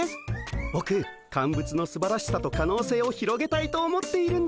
ぼく乾物のすばらしさとかのうせいを広げたいと思っているんだ。